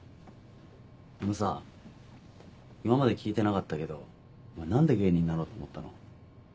あのさ今まで聞いてなかったけどお前何で芸人になろうと思ったの？